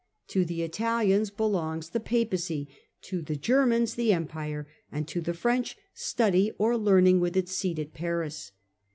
To the Italians belongs the Papacy, to the Germans the Empire, and to the French "Study" or Learning, with its seat at Paris.